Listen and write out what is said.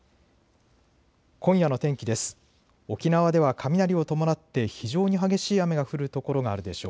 今夜の天気です。